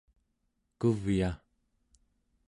kuvya